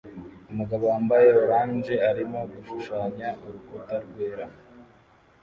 Umugabo wambaye orange arimo gushushanya urukuta rwera